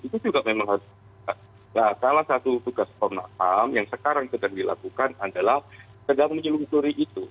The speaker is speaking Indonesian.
itu juga memang harus salah satu tugas komnas ham yang sekarang sedang dilakukan adalah sedang menyelusuri itu